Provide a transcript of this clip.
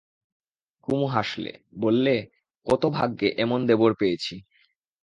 কুমু হাসলে, বললে, কত ভাগ্যে এমন দেবর পেয়েছি।